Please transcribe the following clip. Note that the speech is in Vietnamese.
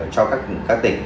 cho các tỉnh